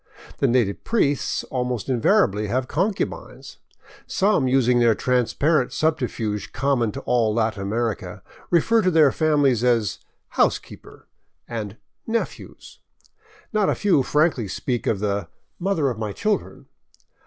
The native priests almost invariably have concubines. Some, using the transparent subterfuge common to all Latin America, refer to their families as " housekeeper " and " nephews." Not a few frankly speak of " the mother of my children."